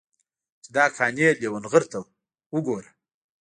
چې دا قانع لېونغرته وګوره.